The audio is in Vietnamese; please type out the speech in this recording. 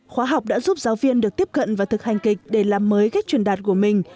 khóa học đã giúp giáo viên được tiếp cận và thực hành kịch để làm mới cách truyền đạt của mình